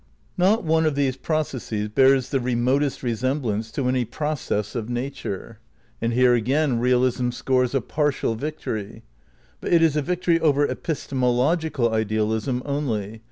Not (me of these processes bears the remotest re semblance to any process of nature. And here again realism scores a partial victory. But it is, a victory over epistemological idealism only.